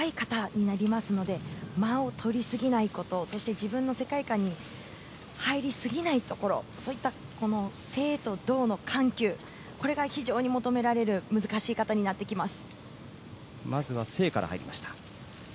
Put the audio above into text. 若干長い形になりますので間をとりすぎないことそして自分の世界観に入りすぎないところといった静と動の緩急が非常に求められる難しい形になっていきます。